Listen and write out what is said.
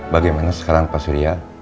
bagaimana sekarang pak surya